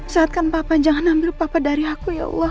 saatkan papa jangan ambil papa dari aku ya allah